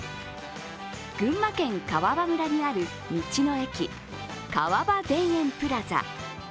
群馬県川場村にある道の駅、川場田園プラザ。